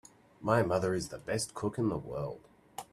My mother is the best cook in the world!